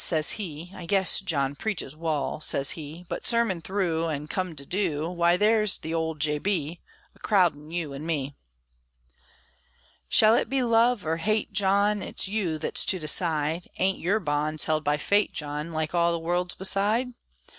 sez he, "I guess John preaches wal," sez he; "But, sermon thru, an' come to du, Why, there's the old J. B. A crowdin' you an' me!" Shall it be love, or hate, John? It's you thet's to decide; Ain't your bonds held by Fate, John, Like all the world's beside?